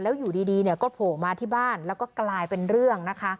แล้วอยู่ดีเนี่ยก็โผล่มาที่บ้านแล้วก็กลายเป็นเรื่องนะคะ